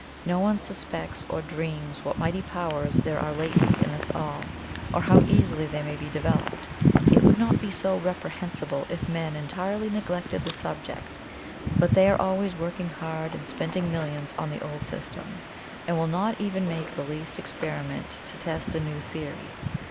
No one suspects or dreams what mighty powers there are latent in us all, or how easily they may be developed. It would not be so reprehensible if men entirely neglected the subject, but they are always working hard and spending millions on the old system, and will not even make the least experiment to test a new theory.